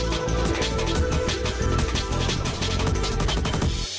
โปรดติดตามตอนต่อไป